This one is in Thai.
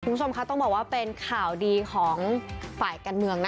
คุณผู้ชมคะต้องบอกว่าเป็นข่าวดีของฝ่ายการเมืองนะ